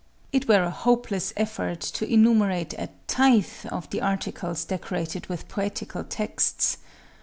It were a hopeless effort to enumerate a tithe of the articles decorated with poetical texts.